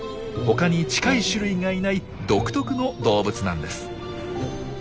他に近い種類がいない独特の動物なんです。